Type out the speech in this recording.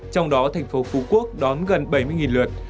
trong đó thành phố phú quốc đón gần bảy mươi lượt